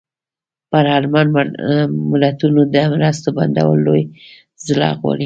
پر اړمنو ملتونو د مرستو بندول لوی زړه غواړي.